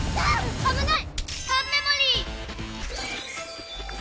危ない！